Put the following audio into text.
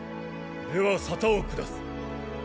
では沙汰を下す。